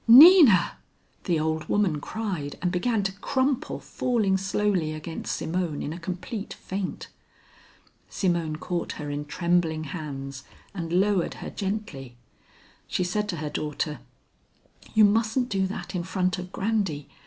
"Nina!" the old woman cried, and began to crumple, falling slowly against Simone in a complete faint. Simone caught her in trembling hands and lowered her gently. She said to her daughter, "You mustn't do that in front of Grandy.